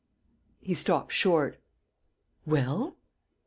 ." He stopped short. "Well?"